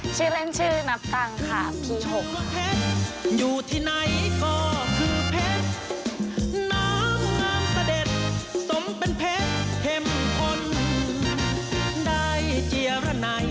ชื่อเล่นชื่อนับตังค่ะพี่หก